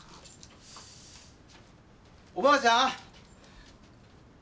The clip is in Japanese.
おばあちゃん？